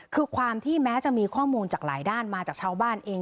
คือความที่แม้จะมีข้อมูลจากหลายด้านมาจากชาวบ้านเอง